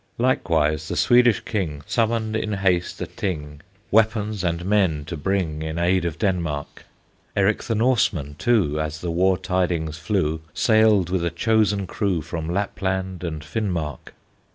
Likewise the Swedish King Summoned in haste a Thing, Weapons and men to bring In aid of Denmark; Eric the Norseman, too, As the war tidings flew, Sailed with a chosen crew From Lapland and Finmark.